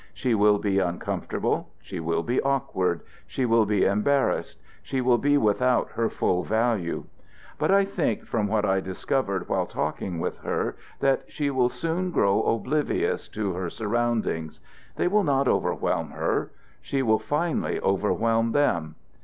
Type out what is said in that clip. She will be uncomfortable, she will be awkward, she will be embarrassed, she will be without her full value. But I think from what I discovered while talking with her that she will soon grow oblivious to her surroundings. They will not overwhelm her; she will finally overwhelm them.